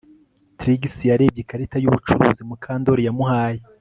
Trix yarebye ikarita yubucuruzi Mukandoli yamuhaye